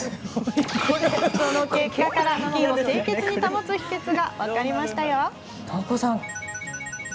その結果から、ふきんを清潔に保つ秘けつが分かりました。